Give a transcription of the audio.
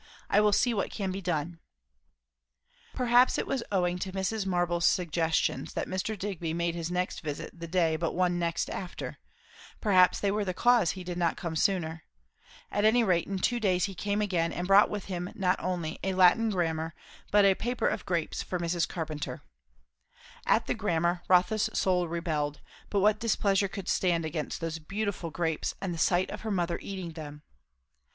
I will see what can be done." "And don't be long about it," said the mantua maker with a nod of her head as she closed the door. Perhaps it was owing to Mrs. Marble's suggestions that Mr. Digby made his next visit the day but one next after; perhaps they were the cause that he did not come sooner! At any rate, in two days he came again; and brought with him not only a Latin grammar, but a paper of grapes for Mrs. Carpenter. At the grammar Rotha's soul rebelled; but what displeasure could stand against those beautiful grapes and the sight of her mother eating them?